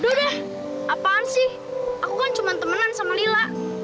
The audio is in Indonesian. aduh deh apaan sih aku kan cuma temenan sama lila